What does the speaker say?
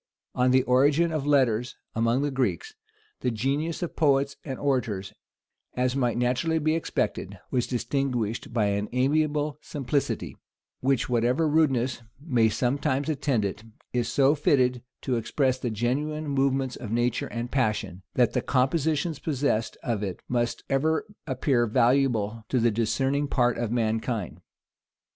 On the origin of letters among the Greeks, the genius of poets and orators, as might naturally be expected, was distinguished by an amiable simplicity, which, whatever rudeness may sometimes attend it, is so fitted to express the genuine movements of nature and passion, that the compositions possessed of it must ever appear valuable to the discerning part of mankind.